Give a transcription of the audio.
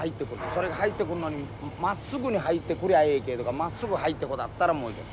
それが入ってくんのにまっすぐに入ってくりゃええけどまっすぐ入ってこなかったらもういけん。